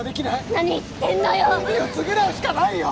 罪を償うしかないよ